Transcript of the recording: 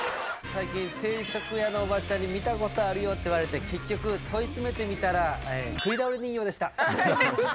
最近、定食屋のおばちゃんに見たことあるよって言われて、結局、問い詰めてみたら、うそ。